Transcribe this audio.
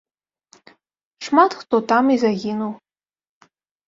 Шмат хто там і загінуў.